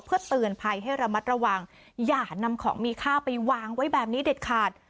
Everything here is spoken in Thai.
เพื่อเตือนภัยให้ระมัดระวังอย่านำของมีค่าไปวางไว้แบบนี้เด็ดขาด